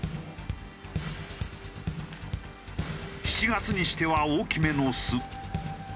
７月にしては大きめの巣。